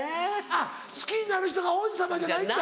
あっ好きになる人が王子様じゃないんだ。